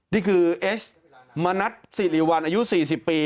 นี่คือเอสมณัฐสิริวัลอายุ๔๐ปี